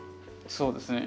そうですね。